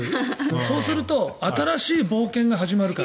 そうすると新しい冒険が始まるから。